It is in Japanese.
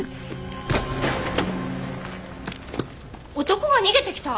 男が逃げてきた！？